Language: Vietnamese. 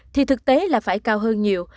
thì thực tế là phải cao hơn nhiều